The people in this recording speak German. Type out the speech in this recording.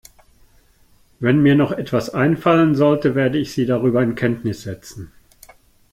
Wenn mir noch etwas einfallen sollte, werde ich Sie darüber in Kenntnis setzen.